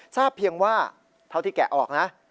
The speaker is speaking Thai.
ทราบเพียงว่าเท่าที่แกะออกนะ